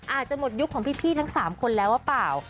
อาจจะหมดยุคของพี่ทั้ง๓คนแล้วว่าเปล่า